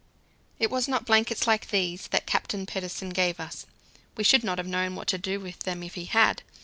It was not blankets like these that Captain Pedersen gave us; we should not have known what to do with them if he had.